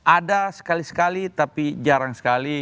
ada sekali sekali tapi jarang sekali